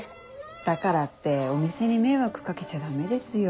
だからってお店に迷惑掛けちゃダメですよ。